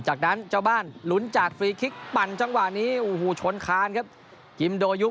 จากนั้นเจ้าบ้านลุ้นจากฟรีคลิกปั่นจังหวะนี้